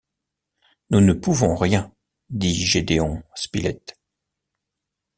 Nous ne pouvons rien, dit Gédéon Spilett.